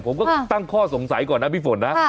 ผมก็ตั้งข้อสงสัยก่อนนะพี่ฝนนะ